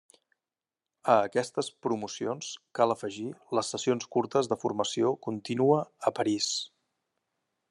A aquestes promocions, cal afegir les sessions curtes de formació contínua a París.